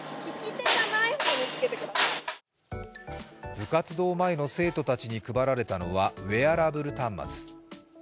部活動前の生徒たちに配られたのはウェアラブル端末。